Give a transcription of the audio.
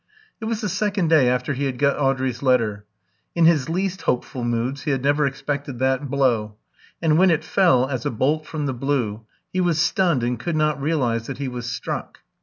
It was the second day after he had got Audrey's letter. In his least hopeful moods he had never expected that blow; and when it fell, as a bolt from the blue, he was stunned and could not realise that he was struck.